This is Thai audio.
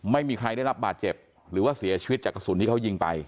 ไม่มีใครได้รับบาดเจ็บหรือว่าเสียชีวิตจากกระสุนที่เขายิงไป